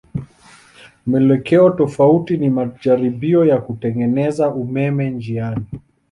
Mwelekeo tofauti ni majaribio ya kutengeneza umeme njiani.